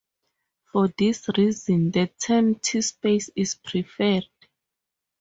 For this reason, the term "T space" is preferred.